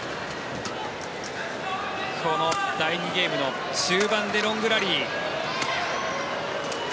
この第２ゲームの中盤でロングラリー。